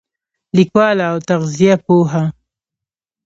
لیکواله او تغذیه پوهه